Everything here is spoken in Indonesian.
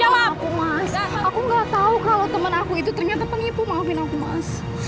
mas aku nggak tau kalau temen aku ternyata penipu maafin aku mas